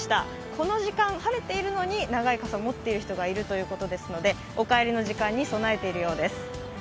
この時間、晴れているのに長い傘を持っている人がいるということですのでお帰りの時間に備えているようです。